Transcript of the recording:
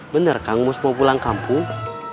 benar kang mus mau pulang kampung